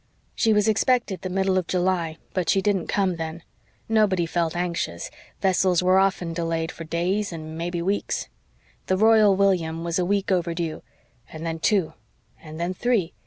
"She was expected the middle of July, but she didn't come then. Nobody felt anxious. Vessels were often delayed for days and mebbe weeks. The Royal William was a week overdue and then two and then three.